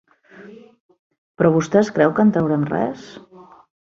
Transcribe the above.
¿Però vostè es creu que en traurem res?